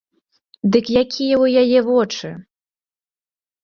Дык якія ў яе вочы?